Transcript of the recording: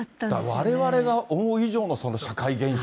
われわれが思う以上の社会現象。